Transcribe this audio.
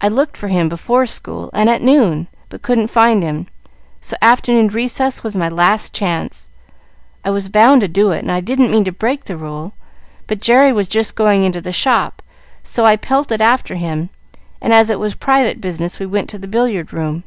I looked for him before school, and at noon, but couldn't find him, so afternoon recess was my last chance. I was bound to do it and I didn't mean to break the rule, but Jerry was just going into the shop, so I pelted after him, and as it was private business we went to the billiard room.